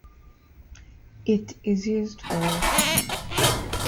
It is used for Rec.